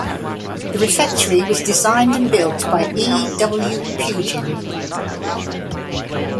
The Refectory was designed and built by E. W. Pugin.